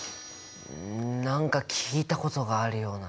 ん何か聞いたことがあるような。